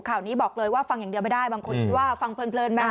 ข่าวนี้บอกเลยว่าฟังอย่างเดียวไม่ได้บางคนคิดว่าฟังเพลินไหม